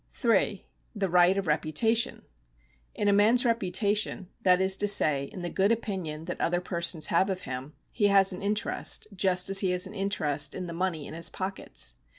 (3) The right of reputation. — In a man's reputation, that is to say, in the good opinion that other persons have of him, he has an interest, just as he has an interest in the money in his pockets.